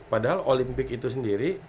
padahal olimpik itu sendiri